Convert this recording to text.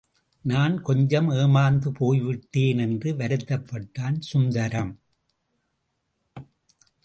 நான் கொஞ்சம் ஏமாந்து போய்விட்டேன் என்று வருத்தப் பட்டான் சுந்தரம்.